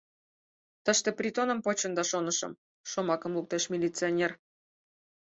— Тыште притоным почында, шонышым, — шомакым луктеш милиционер.